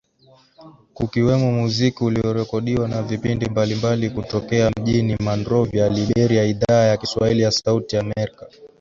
Kukiwemo muziki uliorekodiwa na vipindi mbalimbali kutokea mjini Monrovia, Liberia Idhaa ya Kiswahili ya Sauti ya amerka